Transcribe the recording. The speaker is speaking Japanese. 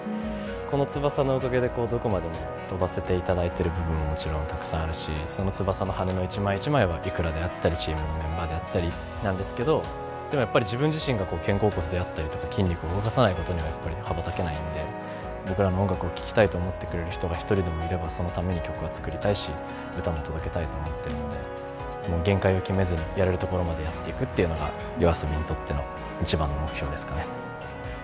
この翼のおかげでどこまでも飛ばせていただいている部分ももちろんたくさんあるしその翼の羽根の一枚一枚はｉｋｕｒａであったりチームのメンバーであったりなんですけどでもやっぱり自分自身が肩甲骨であったりとか筋肉を動かさないことには羽ばたけないので僕らの音楽を聴きたいと思ってくれる人が一人でもいればそのために曲は作りたいし歌も届けたいと思ってるので限界を決めずにやれるところまでやっていくというのはＹＯＡＳＯＢＩにとっての一番の目標ですかね。